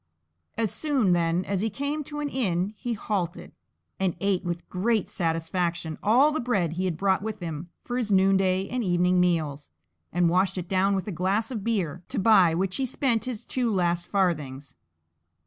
As soon, then, as he came to an inn he halted, and ate with great satisfaction all the bread he had brought with him for his noonday and evening meals, and washed it down with a glass of beer, to buy which he spent his two last farthings.